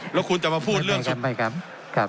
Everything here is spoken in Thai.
แล้วคุณจะมาพูดเรื่องทำไมครับ